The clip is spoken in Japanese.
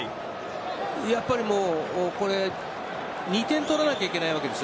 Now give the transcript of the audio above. やっぱりこれ２点取らないといけないわけです